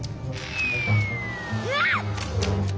うわっ！